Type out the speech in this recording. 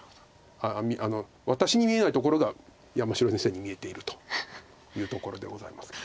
ああ私に見えないところが山城先生に見えているというところでございます。